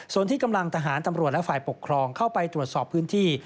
ส่วนที่กำลังทหารตำรวจและฝ่ายปกครองเข้าไปตรวจสอบพื้นที่